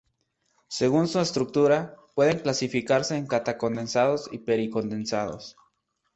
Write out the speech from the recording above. Según su estructura, pueden clasificarse en cata-condensados y peri-condensados.